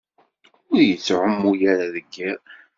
Ur yettɛumu ara deg yiḍ.